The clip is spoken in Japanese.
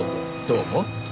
どうも。